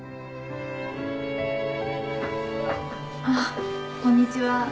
あっこんにちは。